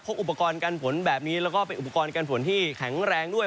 อุปกรณ์การฝนแบบนี้แล้วก็เป็นอุปกรณ์การฝนที่แข็งแรงด้วย